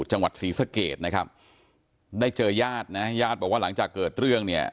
จังหวัดศรีสะเกดนะครับได้เจอญาตินะญาติบอกว่าหลังจากเกิดเรื่องเนี่ย